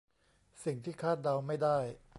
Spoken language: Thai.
สิ่งที่คาดเดาไม่ได้